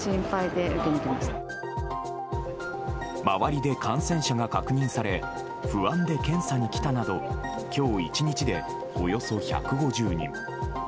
周りで感染者が確認され不安で検査に来たなど今日１日でおよそ１５０人。